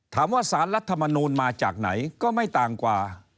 ถามว่าศาลรัฐธรรมนูลมาจากไหนก็ไม่ต่างกว่า